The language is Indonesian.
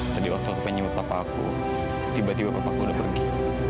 tadi waktu aku pengen nyembet papa aku tiba tiba papa aku udah pergi